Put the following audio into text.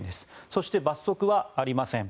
そして、罰則はありません。